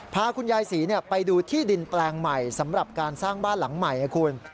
พาคุณยายศรีไปดูที่ดินแปลงใหม่สำหรับการสร้างบ้านหลังใหม่ให้คุณ